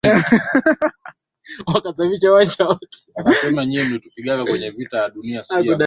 ya Uingereza katika AsiaMapinduzi za elfu moja mia tisa na tano hadi mwaka